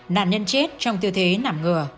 nạn nhân chết trong tiêu thế nảm ngừa